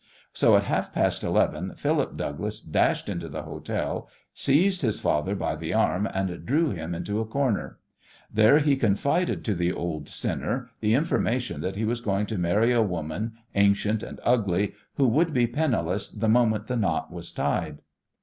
So at half past eleven Philip Douglas dashed into the hotel, seized his father by the arm, and drew him into a corner. There he confided to the old sinner the information that he was going to marry a woman, ancient and ugly, who would be penniless the moment the knot was tied.